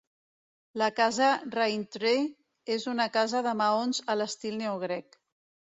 La casa Raintree és una casa de maons a l'estil neogrec.